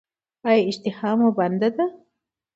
ایا اشتها مو بنده ده؟